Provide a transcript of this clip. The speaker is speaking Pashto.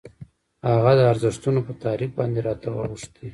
هغه د ارزښتونو په تعریف باندې راته اوښتي.